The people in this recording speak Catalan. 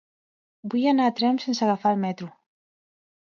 Vull anar a Tremp sense agafar el metro.